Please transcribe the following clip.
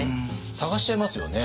探しちゃいますよね。